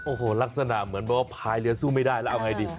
โอ้โหลักษณะเหมือนแบบว่าพายเรือสู้ไม่ได้แล้วเอาไงดี